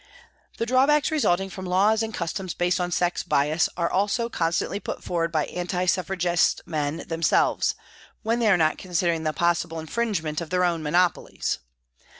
The drawbacks resulting from laws and customs based on sex bias are also constantly put forward by Anti Suffragist men themselves, when they are not considering the possible infringement of their own monopolies.